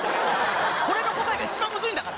これの答えが一番むずいんだから。